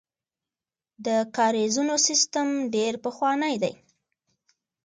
د کاریزونو سیسټم ډیر پخوانی دی